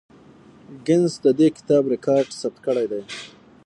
ګینس د دې کتاب ریکارډ ثبت کړی دی.